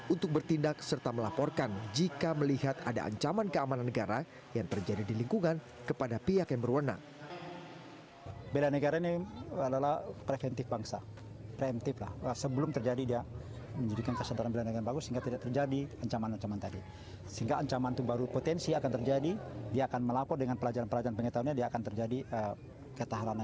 untuk bertindak serta melaporkan jika melihat ada ancaman keamanan negara yang terjadi di lingkungan kepada pihak yang berwarna